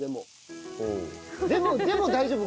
でもでも大丈夫。